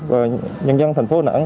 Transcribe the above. và nhân dân thành phố nẵng